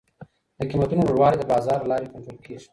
د قیمتونو لوړوالی د بازار له لاري کنټرول کیږي.